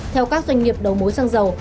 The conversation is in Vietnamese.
theo các doanh nghiệp đầu mối sông dầu